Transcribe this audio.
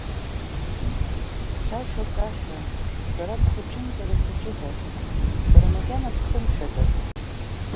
Ҵашәа, ҵашәа, бара бхәыҷымзар ихәыҷыда, бара макьана бхымшәаӡац!